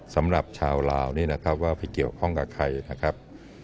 สำหรับชาวลาวนี่นะครับว่าไปเกี่ยวข้องกับใครนะครับ